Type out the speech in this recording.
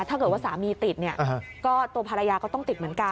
ถ้าเกิดว่าสามีติดเนี่ยก็ตัวภรรยาก็ต้องติดเหมือนกัน